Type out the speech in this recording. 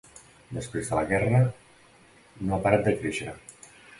Després de la guerra no ha parat de créixer.